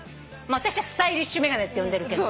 私はスタイリッシュ眼鏡って呼んでるけど。